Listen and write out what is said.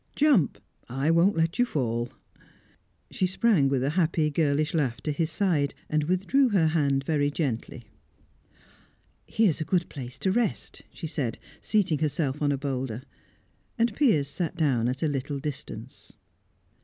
"Jump! I won't let you fall." She sprang with a happy girlish laugh to his side, and withdrew her hand very gently. "Here is a good place to rest," she said, seating herself on a boulder. And Piers sat down at a little distance.